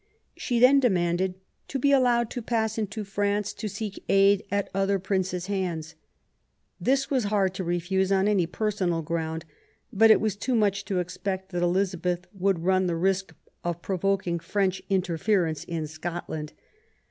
She then demanded to be allowed to pass into France to seek aid at other Princes' hands *'. This was hard to refuse on any personal ground ; but it was too much to expect that Elizabeth would run the risk of provoking French interference in Scotland.